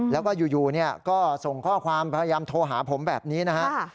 แล้วก็อยู่ก็ส่งข้อความพยายามโทรหาผมแบบนี้นะฮะ